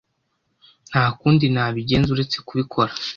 Nta kundi nabigenza uretse kubikora.